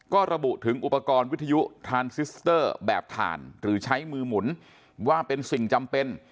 ก็ระบุถึงอุปกรณ์วิทยุทานซิสเตอร์แบบถ่านหรือใช้มือหมุนว่าเป็นสิ่งจำเป็น